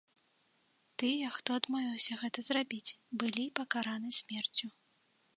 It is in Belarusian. Тыя, хто адмовіўся гэта зрабіць, былі пакараны смерцю.